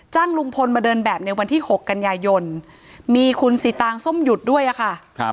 ลุงพลมาเดินแบบในวันที่๖กันยายนมีคุณสิตางส้มหยุดด้วยอะค่ะ